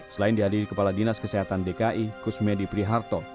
selain dihadiri kepala dinas kesehatan dki kusmedi priharto